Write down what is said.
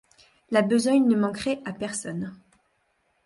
La besogne ne manquerait à personne.